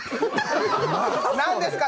何ですか？